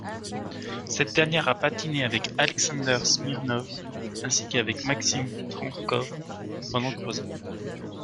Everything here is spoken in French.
Cette dernière a patiné avec Alexander Smirnov ainsi qu'avec Maxim Trankov pendant trois ans.